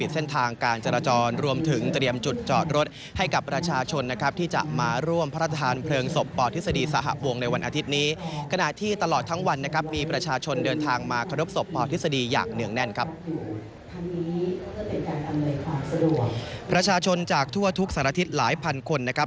สำหรับทุกที่ประหญ้าอยู่ที่ภู